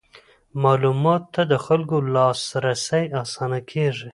معلوماتو ته د خلکو لاسرسی اسانه کیږي.